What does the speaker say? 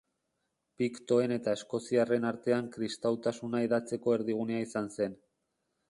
Piktoen eta eskoziarren artean kristautasuna hedatzeko erdigunea izan zen.